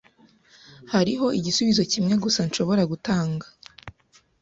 Hariho igisubizo kimwe gusa nshobora gutanga.